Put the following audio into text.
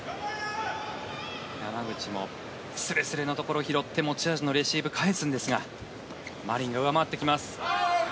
山口もすれすれのところを拾って持ち味のレシーブを返すんですがマリンが上回ってきます。